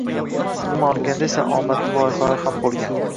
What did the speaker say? Umuman olganda esa, omadli loyihalar ham boʻlgan